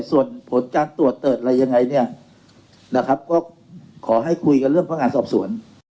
ส่วนผลการตรวจเกิดอะไรยังไงเนี่ยนะครับก็ขอให้คุยกันเรื่องพนักงานสอบสวน